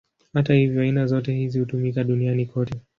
Hata hivyo, aina zote hizi hutumika duniani kote.